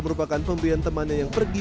merupakan pemberian temannya yang pergi